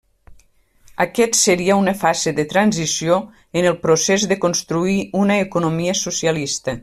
Aquest seria una fase de transició en el procés de construir una economia socialista.